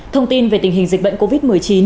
thông tin về tình hình dịch bệnh covid một mươi chín